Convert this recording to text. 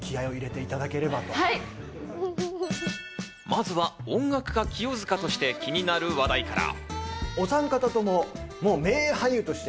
まずは音楽家・清塚として気になる話題から。